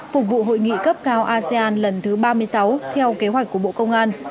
phục vụ hội nghị cấp cao asean lần thứ ba mươi sáu theo kế hoạch của bộ công an